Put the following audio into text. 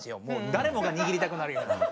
だれもがにぎりたくなるような。